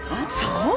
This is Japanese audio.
そう？